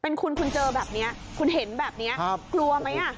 เป็นคุณคุณเจอแบบนี้คุณเห็นแบบนี้กลัวไหม